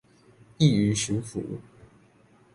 易於馴服